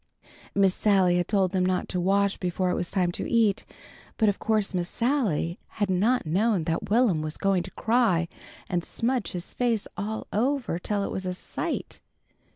Miss Sally had told them not to wash before it was time to eat, but of course Miss Sally had not known that Will'm was going to cry and smudge his face all over till it was a sight.